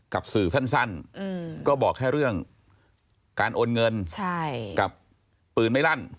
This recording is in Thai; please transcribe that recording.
กับสื่อสั้นก็บอกแค่เรื่องการโอนเงินกับปืนไม่ลั่น